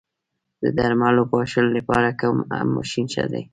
د درمل پاشلو لپاره کوم ماشین ښه دی؟